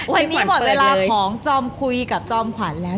วันนี้หมดเวลาของจอมคุยกับจอมขวัญแล้ว